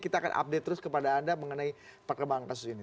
kita akan update terus kepada anda mengenai perkembangan kasus ini